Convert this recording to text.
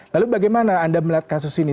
lalu bagaimana anda melihat kasus ini